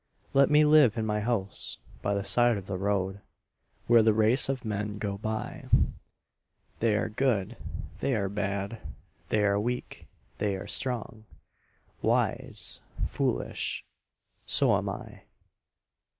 Let me live in my house by the side of the road, Where the race of men go by They are good, they are bad, they are weak, they are strong, Wise, foolish so am I.